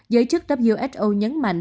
giới chức who nhấn mạnh